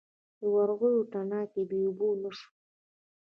د ورغوي تڼاکه یې اوبه نه شوه.